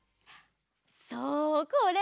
そうこれ！